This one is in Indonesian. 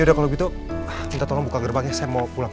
yaudah kalau gitu minta tolong buka gerbangnya saya mau pulang